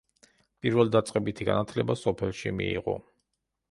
პირველდაწყებითი განათლება სოფელში მიიღო.